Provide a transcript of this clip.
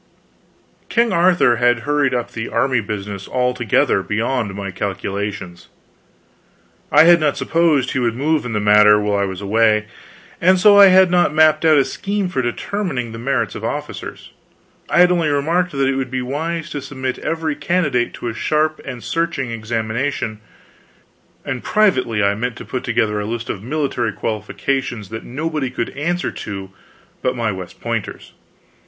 King Arthur had hurried up the army business altogether beyond my calculations. I had not supposed he would move in the matter while I was away; and so I had not mapped out a scheme for determining the merits of officers; I had only remarked that it would be wise to submit every candidate to a sharp and searching examination; and privately I meant to put together a list of military qualifications that nobody could answer to but my West Pointers.